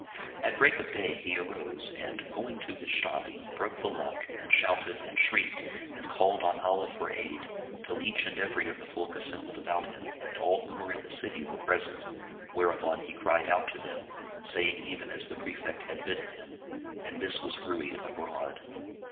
At break of day he arose and going to his shop, broke the lock and shouted and shrieked and called on Allah for aid, till each and every of the folk assembled about him and all who were in the city were present, whereupon he cried out to them, saying even as the Prefect had bidden him; and this was bruited abroad.